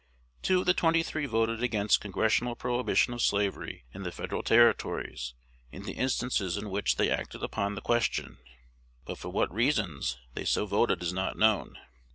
Two of the twenty three voted against congressional prohibition of slavery in the Federal Territories in the instances in which they acted upon the question; but for what reasons they so voted is not known.